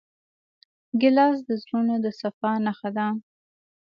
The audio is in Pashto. ګیلاس د زړونو د صفا نښه ده.